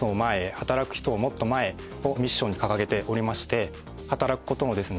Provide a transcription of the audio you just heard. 働く人をもっと前へ。」をミッションに掲げておりまして働く事のですね